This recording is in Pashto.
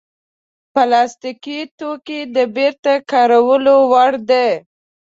پلاستيکي توکي د بېرته کارولو وړ دي.